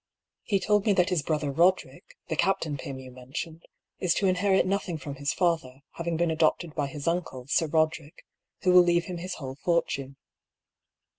He told me that his brother Roderick (the Captain Pym you men A STARTLING PROPOSAL. 86 tioned) is to inherit nothing from his father, having been adopted by his uncle, Sir Roderick, who will leave him his whole fortune."